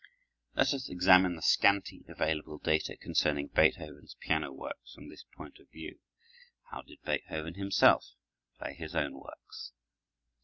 Let us examine the scanty available data concerning Beethoven's piano works from this point of view. How did Beethoven himself play his own works?